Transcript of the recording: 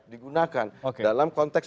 digunakan dalam konteks